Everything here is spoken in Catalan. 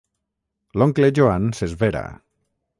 L'oncle Joan s'esvera.